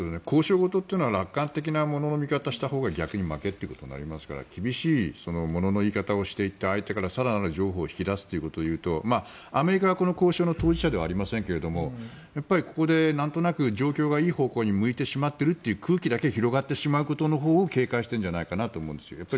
交渉というのは楽観的なものの見方をしたほうが逆に負けということになりますから厳しい物の言い方をしていって相手から更なる譲歩を引き出すということでいうとアメリカはこの交渉の当事者ではありませんがなんとなく状況がいい方向に向いてしまっているという空気だけが広がってしまうことのほうが警戒しているんじゃないかなと思うんですよ。